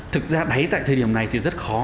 thực ra thấy tại thời điểm này thì rất khó